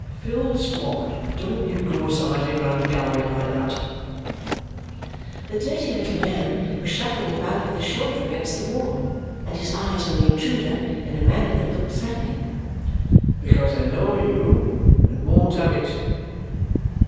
Phil Squod, don't you go a sidling round the gallery like that" the dirty little man was shuffling about with his shoulder against the wall, and his eyes on the intruder, in a manner that looked threatening "because I know you and won't have it."